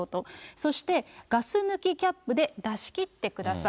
そしてガス抜きキャップで出し切ってください。